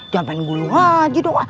jangan gulung aja doang